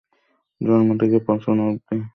জন্ম থেকে পঁচন অবধি।